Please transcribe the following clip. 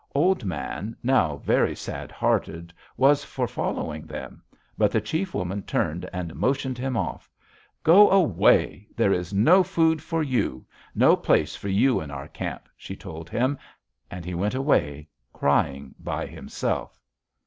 Old Man, now very sad hearted, was for following them; but the chief woman turned and motioned him off. 'Go away. There is no food for you, no place for you in our camp,' she told him; and he went away, crying, by himself.